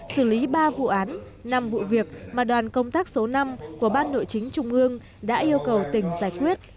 xử lý ba vụ án năm vụ việc mà đoàn công tác số năm của ban nội chính trung ương đã yêu cầu tỉnh giải quyết